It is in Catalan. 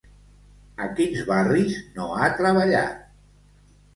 A quins barris no ha treballat?